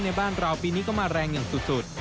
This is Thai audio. ในบ้านเราปีนี้ก็มาแรงอย่างสุด